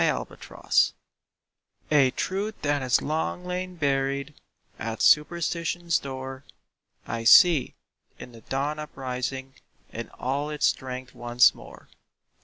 EASTER MORN A truth that has long lain buried At Superstition's door, I see, in the dawn uprising In all its strength once more.